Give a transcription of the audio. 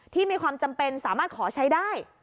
ที่มีความจำเป็นสามารถขอใช้ได้